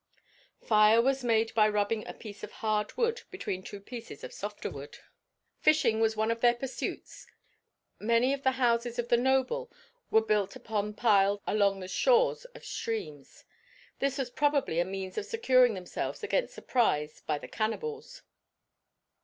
Fire was made by rubbing a piece of hard wood between two pieces of softer wood. Fishing was one of their pursuits many of the houses of the noble were built upon piles along the shores of streams; this was probably a means of securing themselves against surprise by the cannibals.